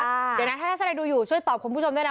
เดี๋ยวนะถ้าทัศนัยดูอยู่ช่วยตอบคุณผู้ชมด้วยนะ